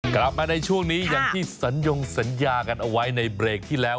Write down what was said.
กลับมาในช่วงนี้อย่างที่สัญญงสัญญากันเอาไว้ในเบรกที่แล้ว